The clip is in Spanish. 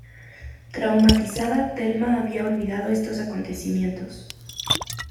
Traumatizada, Thelma había olvidado estos acontecimientos.